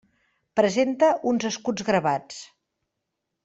Presenta uns escuts gravats.